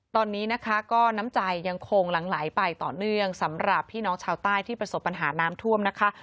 ตอนนี้นะคะก็น้ำใจยังคงหลั่งไหลไปต่อเนื่องสำหรับพี่น้องชาวใต้ที่ประสบปัญหาน้ำท่วมนะคะ